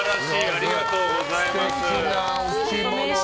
ありがとうございます。